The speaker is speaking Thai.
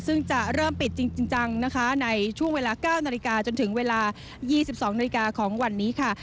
ซึ่งจะเริ่มปิดจริงจังนะคะในช่วงเวลา๙นาฬิกาจนถึงเวลา๒๒นาฬิกาของวันนี้ค่ะ